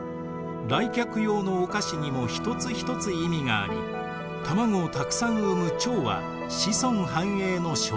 来客用のお菓子にも一つ一つ意味があり卵をたくさん産むちょうは子孫繁栄の象徴です。